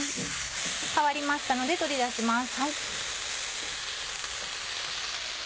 変わりましたので取り出します。